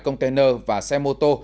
container và xe mô tô